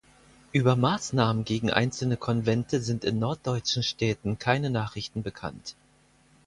Über Maßnahmen gegen einzelne Konvente sind in norddeutschen Städten keine Nachrichten bekannt.